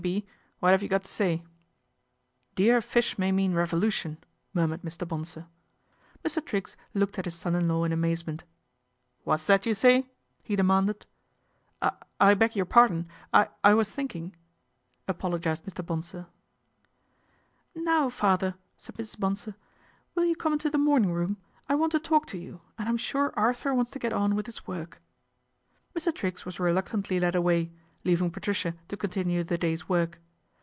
B., what 'ave you got to say ?"" Dear fish may mean revolution," murmured Mr. Bonsor. Mr. Triggs looked at his son in law in amaze ment. " What's that you say ?" he demanded. " I I beg your pardon. I I was thinking," apologised Mr. Bonsor. " Now, father," said Mrs. Bonsor, " will you come into the morning room ? I want to talk to you, and I'm sure Arthur wants to get on with his work." Mr. Triggs was reluctantly led away, leaving Patricia to continue the day's work.